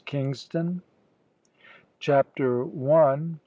KINGSTON. CHAPTER ONE.